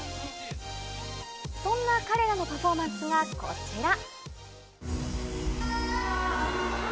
そんな彼らのパフォーマンスがこちら。